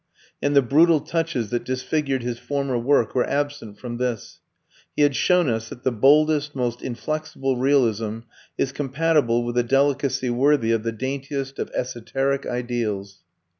And the brutal touches that disfigured his former work were absent from this; he had shown us that the boldest, most inflexible realism is compatible with a delicacy worthy of the daintiest of esoteric ideals.